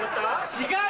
違う！